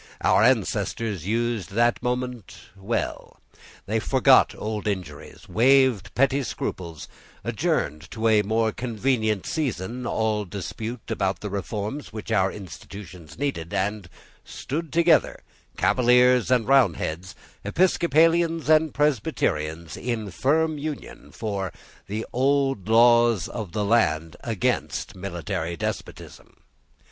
Our ancestors used that moment well. They forgot old injuries, waved petty scruples, adjourned to a more convenient season all dispute about the reforms which our institutions needed, and stood together, Cavaliers and Roundheads, Episcopalians and Presbyterians, in firm union, for the old laws of the land against military despotism.